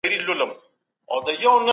د تبې پر مهال ډېرې اوبه وڅښئ.